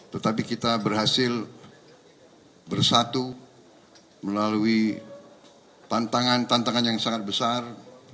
tetapi kita berhasil bersatu melalui tantangan tantangan yang sangat besar